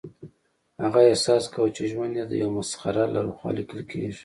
هغه احساس کاوه چې ژوند یې د یو مسخره لخوا لیکل کیږي